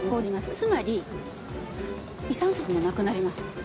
つまり遺産相続もなくなります。